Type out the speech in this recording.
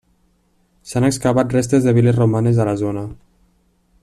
S'han excavat restes de vil·les romanes a la zona.